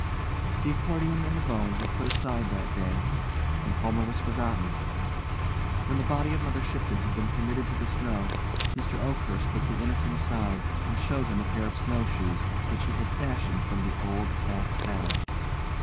The accordion and the bones were put aside that day, and Homer was forgotten. When the body of Mother Shipton had been committed to the snow, Mr. Oakhurst took the Innocent aside, and showed him a pair of snowshoes, which he had fashioned from the old pack saddle.